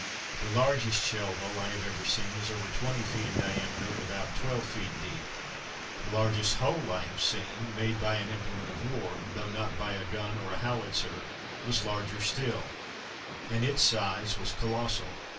The largest shell hole I have ever seen was over twenty feet in diameter and about twelve feet deep. The largest hole I have seen, made by an implement of war, though not by a gun or a howitzer, was larger still, and its size was colossal.